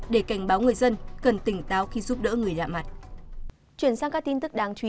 để cảnh báo người dân cần tỉnh táo khi giúp đỡ người lạ mặt